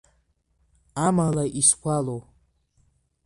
Амала, исгәалоу…